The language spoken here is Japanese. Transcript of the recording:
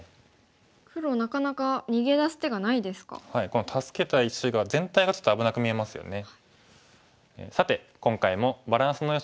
この助けた石が全体がちょっと危なく見えますよね。